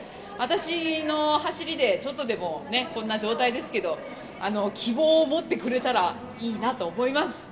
私の走りでちょっとでもこんな状態ですけど希望を持ってくれたらいいなと思います。